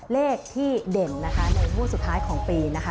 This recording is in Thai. เลขที่เด่นนะคะในงวดสุดท้ายของปีนะคะ